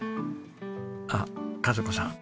あっ和子さん